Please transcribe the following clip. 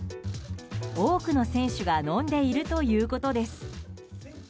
多くの選手が飲んでいるということです。